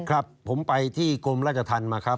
ครับผมไปที่กรมรักษทันมาครับ